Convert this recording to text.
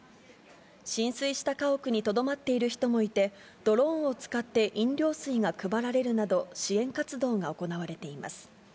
浸水した家屋にとどまっている人もいて、ドローンを使って飲料水が配られるなど支援活動が行われています。